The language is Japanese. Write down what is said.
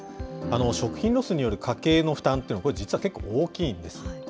食品ロスによる家計の負担というのは、実は結構大きいんです。